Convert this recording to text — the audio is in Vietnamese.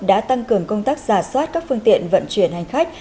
đã tăng cường công tác giả soát các phương tiện vận chuyển hành khách